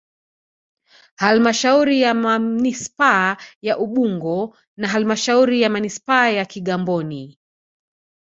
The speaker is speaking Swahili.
Halmashauri ya Manispaa ya Ubungo na Halmashauri ya Manispaa ya Kigamboni